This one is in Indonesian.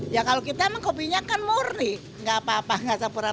ya kalau kita kopinya kan murni nggak apa apa nggak sapur sapur